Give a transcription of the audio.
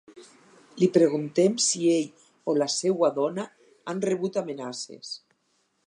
Li preguntem si ell o la seua dona han rebut amenaces.